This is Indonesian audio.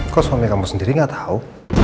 kok suami kamu sendiri gak tau